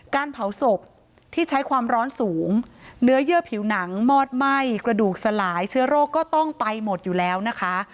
การเผาศพที่ใช้ความร้อนสูงเนื้อเยื่อผิวหนังมอดไหม้กระดูกสลายเชื้อโรคก็ต้องไปหมดอยู่แล้วนะคะ